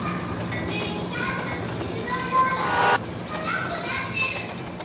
熱したあとの水の量が少なくなってる。